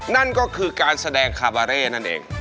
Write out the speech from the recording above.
นั่นก็คือการแสดงคาบาเร่นั่นเอง